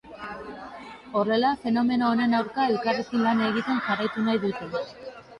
Horrela, fenomeno honen aurka elkarrekin lan egiten jarraitu nahi dute.